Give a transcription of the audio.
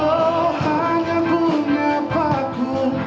oh hanya punya baku